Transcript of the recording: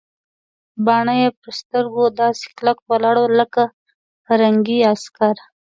باڼه یې پر سترګو داسې کلک ولاړ ول لکه د پرنګي عسکر.